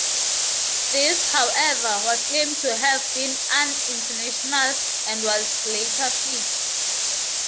This, however, was claimed to have been unintentional, and was later fixed.